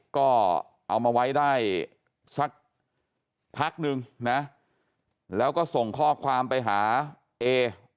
ก็เอามาไว้ได้สักพักนึงนะแล้วก็ส่งข้อความไปหาเอ